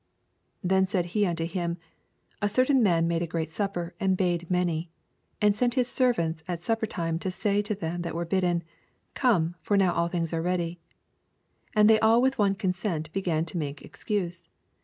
16 Then said he unto him, A eer tflin man made a great supper, and bade many : 17 And sent bis servant at supper time to say to them tbat were bidden. Come : for all things are now ready. 18 And they all with one consent began to make excuse.